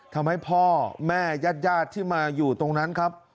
ทำให้พ่อแม่ญาติที่มาอยู่ตรงนั้นครับ